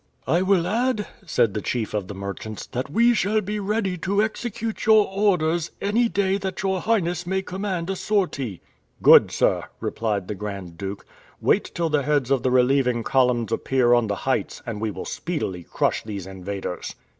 "I will add," said the chief of the merchants, "that we shall be ready to execute your orders, any day that your Highness may command a sortie." "Good, sir," replied the Grand Duke. "Wait till the heads of the relieving columns appear on the heights, and we will speedily crush these invaders."